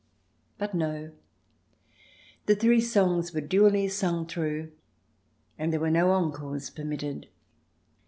But no ; the three songs were duly sung through, and there were no encores permitted.